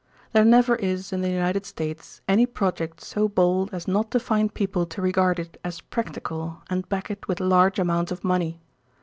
There never is in the United States any project so bold as not to find people to regard it as practical and back it with large amounts of money.